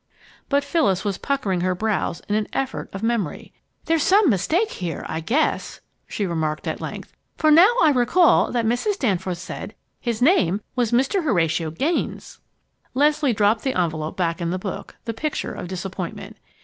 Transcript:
But Phyllis was puckering her brows in an effort of memory. "There's some mistake here, I guess," she remarked at length, "for now I recall that Mrs. Danforth said his name was Mr. Horatio Gaines!" Leslie dropped the envelop back in the book, the picture of disappointment.